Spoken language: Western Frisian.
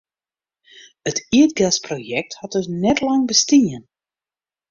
It ierdgasprojekt hat dus net lang bestien.